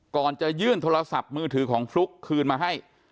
ก่อนจะยื่นโทรศัพท์มือถือของฟลุ๊กคืนมาให้